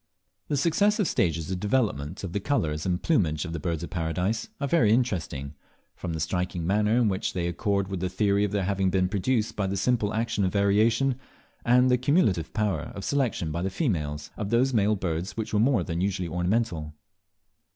The successive stages of development of the colours and plumage of the Birds of Paradise are very interesting, from the striking manner in which they accord with the theory of their having been produced by the simple action of variation, and the cumulative power of selection by the females, of those male birds which were more than usually ornamental.